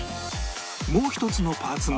もう一つのパーツも